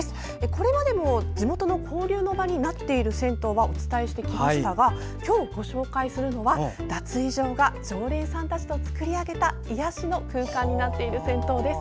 これまでも地元の交流の場になっている銭湯はお伝えしてきましたが今日ご紹介するのは脱衣場が、常連さんたちと作り上げた癒やしの空間になっている銭湯です！